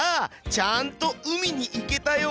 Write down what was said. ちゃんと海に行けたよ！